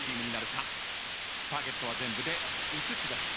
ターゲットは全部で５つです。